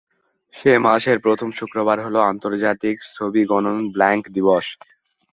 মে মাসের প্রথম শুক্রবার হল আন্তর্জাতিক সভিগনন ব্লাঙ্ক দিবস।